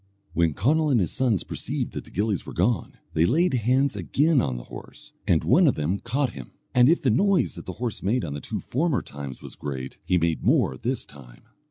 When Conall and his sons perceived that the gillies were gone, they laid hands again on the horse, and one of them caught him; and if the noise that the horse made on the two former times was great, he made more this time.